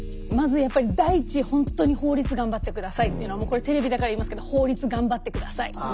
まずやっぱり第一ほんとに法律頑張って下さいっていうのはもうこれテレビだから言いますけど法律頑張って下さい。